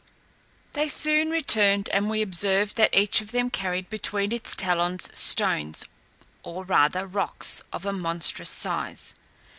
They soon returned, and we observed that each of them carried between its talons stones, or rather rocks, of a monstrous size.